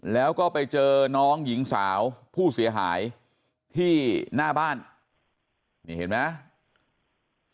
แล้วก็ไปเจอน้องหญิงสาวผู้เสียหายที่หน้าบ้านนี่เห็นไหม